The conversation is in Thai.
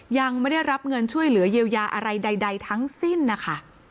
ยังไม่ได้รับเงินช่วยเหลือเยียวยาอะไรใดทั้งสิ้นนะคะ